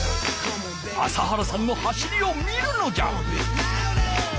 朝原さんの走りを見るのじゃ！